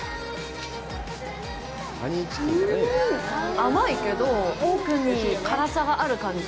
甘いけど、奥に辛さがある感じ？